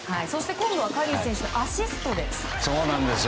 今度はカリー選手のアシストです。